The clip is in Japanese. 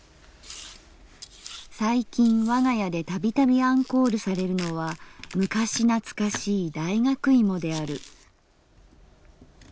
「最近我が家でたびたびアンコールされるのは昔なつかしい大学芋である」。